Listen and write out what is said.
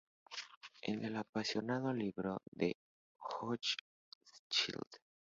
En el apasionado libro de Hochschild.